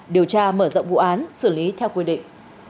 điều tra mở rộng vụ án xử lý theo quy định